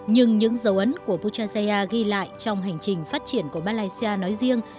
nhưng những dấu ấn của puchaya ghi lại trong hành trình phát triển của malaysia nói riêng